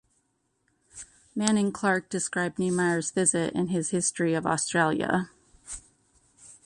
Manning Clark described Niemeyer's visit in his history of Australia.